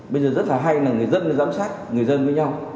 bây giờ rất là hay là người dân giám sát người dân với nhau